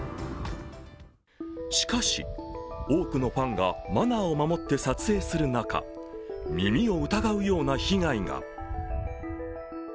しかし、多くのファンがマナーを守って撮影する中、耳を疑うような被害が。